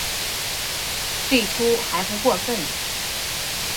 最初还不过分